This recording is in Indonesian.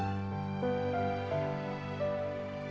apalagi bapak setiap hari berdoa terus tis